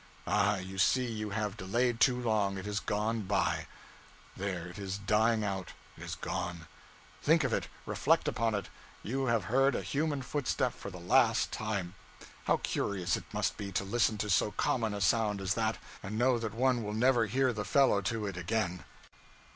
Ah, you see you have delayed too long it is gone by. There it is dying out. It is gone! Think of it reflect upon it you have heard a human footstep for the last time. How curious it must be, to listen to so common a sound as that, and know that one will never hear the fellow to it again.'